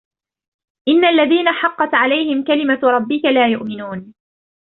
إن الذين حقت عليهم كلمت ربك لا يؤمنون